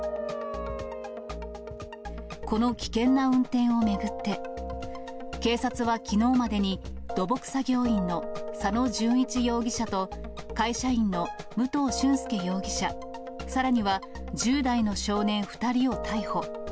この危険な運転を巡って、警察はきのうまでに、土木作業員の佐野準一容疑者と会社員の武藤駿介容疑者、さらには１０代の少年２人を逮捕。